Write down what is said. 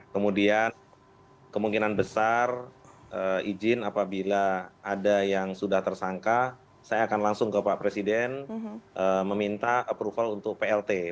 kemudian kemungkinan besar izin apabila ada yang sudah tersangka saya akan langsung ke pak presiden meminta approval untuk plt